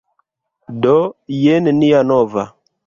Do, jen nia nova...